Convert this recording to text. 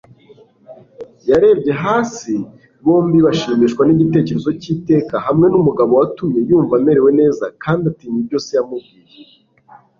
Yarebye hasi, bombi bashimishwa n'igitekerezo cy'iteka hamwe n'umugabo watumye yumva amerewe neza kandi atinya ibyo se yamubwiye.